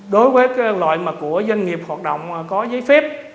đối với loại mà của doanh nghiệp hoạt động có giấy phép